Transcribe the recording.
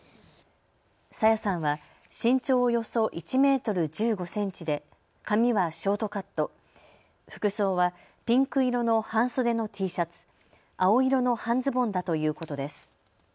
朝芽さんは身長およそ１メートル１５センチで、髪はショートカット、服装はピンク色の半袖のＴシャツ、青色の半ズボンだということです。